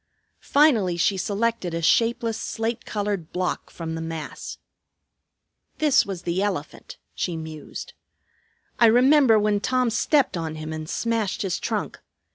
Finally she selected a shapeless slate colored block from the mass. "This was the elephant," she mused. "I remember when Tom stepped on him and smashed his trunk.